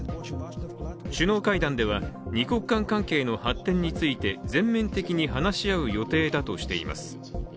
首脳会談では二国間関係の発展について全面的に話し合う予定だとしています。